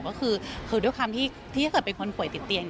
ก็คือด้วยความที่ถ้าเกิดเป็นคนป่วยติดเตียง